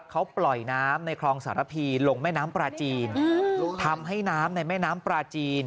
เขาปล่อยน้ำในคลองสารพีลงแม่น้ำปลาจีนทำให้น้ำในแม่น้ำปลาจีน